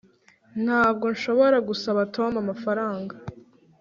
Ntabwo nshobora gusaba Tom amafaranga